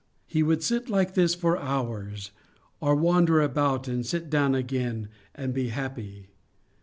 He would sit like this for hours, or wander about and sit down again and be happy.